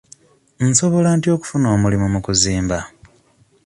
Nsobola ntya okufuna omulimu mu kuzimba?